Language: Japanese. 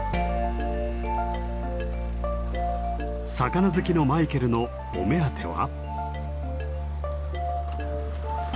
魚好きのマイケルのお目当ては。